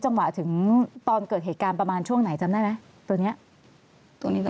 ตัวนี้จังหวะถึงตอนเกิดเหตุการณ์ประมาณช่วงไหนจำได้ไหมตัวนี้